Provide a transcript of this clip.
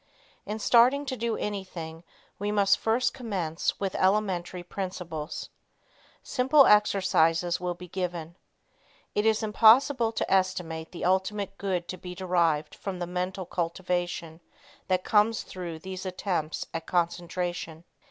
In starting to do anything, we must first commence with elementary principles. Simple exercises will be given. It is impossible to estimate the ultimate good to be derived from the mental cultivation that comes through these attempts at concentration.